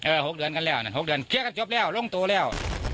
๖เดือนกันแล้วนะ๖เดือนเคลียร์กันจบแล้วลงตัวแล้ว